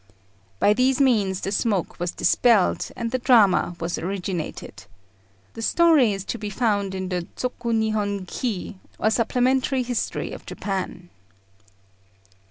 By these means the smoke was dispelled, and the drama was originated. The story is to be found in the Zoku Nihon Ki, or supplementary history of Japan.